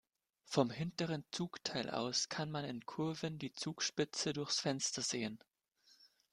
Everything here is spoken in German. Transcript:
Vom hinteren Zugteil aus kann man in Kurven die Zugspitze durchs Fenster sehen.